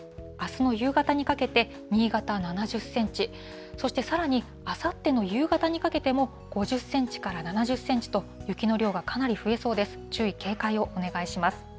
あすの夕方にかけて、新潟７０センチ、そしてさらに、あさっての夕方にかけても５０センチから７０センチと、雪の量がかなり増えそうです。